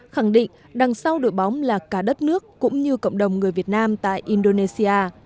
khẳng định đằng sau đội bóng là cả đất nước cũng như cộng đồng người việt nam tại indonesia